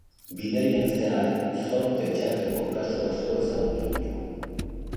Bidaian zehar zorte txarreko kasu asko ezagutu ditu.